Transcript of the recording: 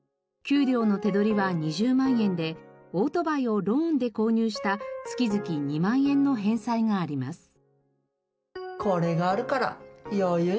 給料の手取りは２０万円でオートバイをローンで購入した月々２万円の返済があります。